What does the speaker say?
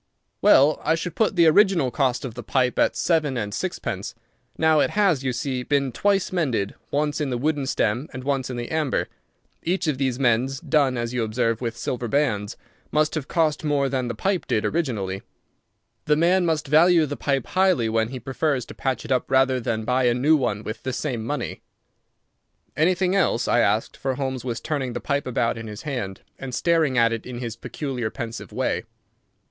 "Well, I should put the original cost of the pipe at seven and sixpence. Now it has, you see, been twice mended, once in the wooden stem and once in the amber. Each of these mends, done, as you observe, with silver bands, must have cost more than the pipe did originally. The man must value the pipe highly when he prefers to patch it up rather than buy a new one with the same money." "Anything else?" I asked, for Holmes was turning the pipe about in his hand, and staring at it in his peculiar pensive way.